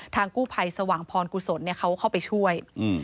ทางกู้ภัยสวังพรกุศลเนี่ยเขาก็เข้าไปช่วย